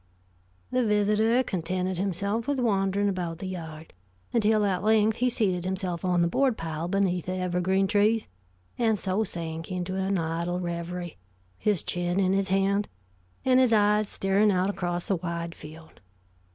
The visitor contented himself with wandering about the yard, until at length he seated himself on the board pile beneath the evergreen trees, and so sank into an idle reverie, his chin in his hand, and his eyes staring out across the wide field.